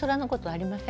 あります。